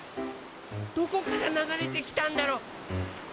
どこからながれてきたんだろう？